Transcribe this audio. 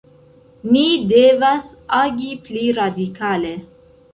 Ni devas agi pli radikale.